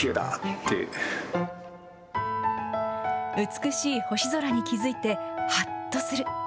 美しい星空に気付いて、はっとする。